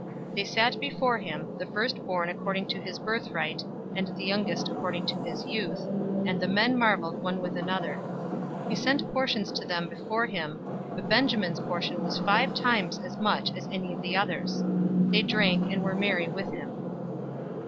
043:033 They sat before him, the firstborn according to his birthright, and the youngest according to his youth, and the men marveled one with another. 043:034 He sent portions to them from before him, but Benjamin's portion was five times as much as any of theirs. They drank, and were merry with him.